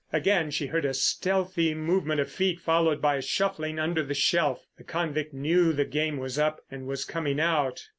Again she heard a stealthy movement of feet followed by a shuffling under the shelf. The convict knew the game was up and was coming out.